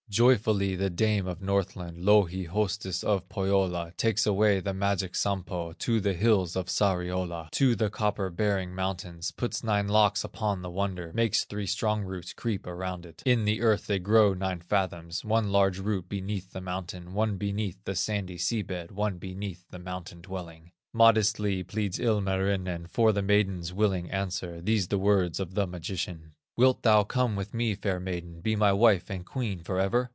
Joyfully the dame of Northland, Louhi, hostess of Pohyola, Takes away the magic Sampo, To the hills of Sariola, To the copper bearing mountains, Puts nine locks upon the wonder, Makes three strong roots creep around it; In the earth they grow nine fathoms, One large root beneath the mountain, One beneath the sandy sea bed, One beneath the mountain dwelling. Modestly pleads Ilmarinen For the maiden's willing answer, These the words of the magician: "Wilt thou come with me, fair maiden, Be my wife and queen forever?